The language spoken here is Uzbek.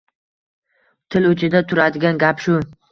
Til uchida turadigan gap shu